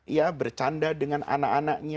ya bercanda dengan anak anaknya